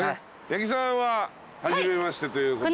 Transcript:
八木さんは初めましてということで。